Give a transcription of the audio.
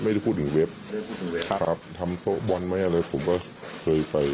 ไม่ได้พูดถึงเว็บไม่ได้พูดถึงเว็บครับทำโต๊ะบอลไหมอะไรผมก็เคยไป